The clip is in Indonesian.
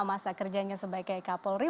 masa kerjanya sebagai kapolri